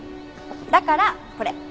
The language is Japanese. だからこれ。